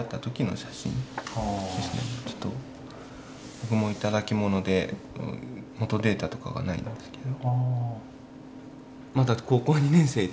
僕も頂き物で元データとかがないんですけど。